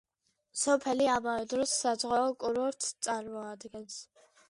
სოფელი ამავე დროს საზღვაო კურორტს წარმოადგენს.